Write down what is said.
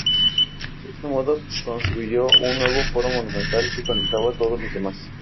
De este modo construyó un nuevo Foro monumental que conectaba todos los demás.